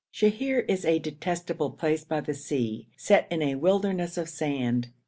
Sheher is a detestable place by the sea, set in a wilderness of sand.